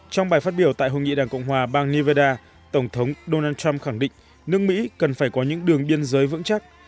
trong bài phát biểu tại hội nghị đảng cộng hòa bang nevada tổng thống donald trump khẳng định nước mỹ cần phải có những đường biên giới vững chắc